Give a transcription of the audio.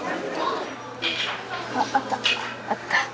あった？